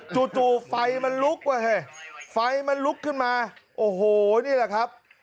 จู่ไฟมันลุกว่ะเฮ้ยไฟมันลุกขึ้นมาโอ้โหนี่แหละครับ